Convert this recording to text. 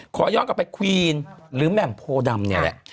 ขอย้อนกลับไปควีนหรือแหม่มโพดำเนี่ยแหละ